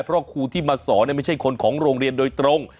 เพราะครูที่มาสอนไม่ใช่คนของโรงเรียนโดยตรง